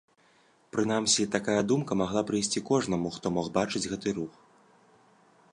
Прынамсі, такая думка магла прыйсці кожнаму, хто мог бачыць гэты рух.